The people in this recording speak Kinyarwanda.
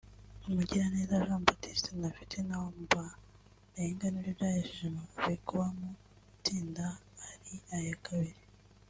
Mugiraneza Jean Baptiste na Fitina Ombalenga nibyo byahesheje Amavubi kuba mu itsinda ari aya kabiri